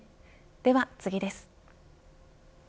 では次です。